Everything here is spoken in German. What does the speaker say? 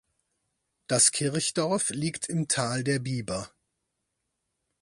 Das Kirchdorf liegt im Tal der Biber.